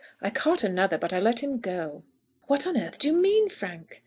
I caught another, but I let him go." "What on earth do you mean, Frank?"